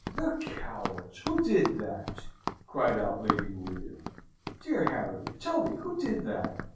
"The cowards! Who did that?" cried out Lady Maria. "Dear Harry, tell me who did that?